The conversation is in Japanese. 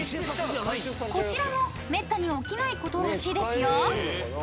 ［こちらもめったに起きないことらしいですよ］